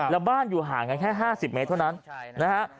แล้วบ้านอยู่ห่างกันแค่๕๐เมตรเท่านั้นนะฮะ